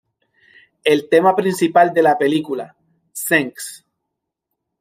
El tema principal de la película, Thanks!